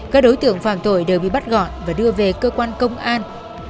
các đối tượng phạm tội đều bị bắt gọn và đưa về cơ quan công an